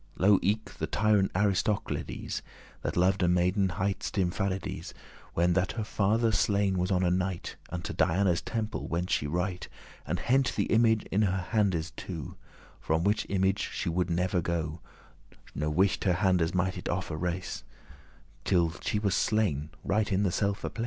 Lo, eke the tyrant Aristoclides, That lov'd a maiden hight Stimphalides, When that her father slain was on a night, Unto Diana's temple went she right, And hent* the image in her handes two, *caught, clasped From which image she woulde never go; No wight her handes might off it arace,* *pluck away by force Till she was slain right in the selfe* place.